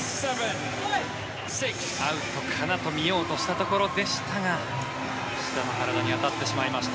アウトかなと見ようとしたところでしたが志田の体に当たってしまいました。